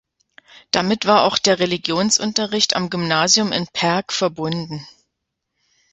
Damit war auch der Religionsunterricht am Gymnasium in Perg verbunden.